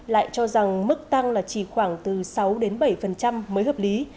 lại cho rằng mức tăng là chỉ khoảng từ sáu đến bảy mới hợp lý